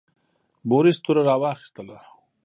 بوریس توره راواخیستله.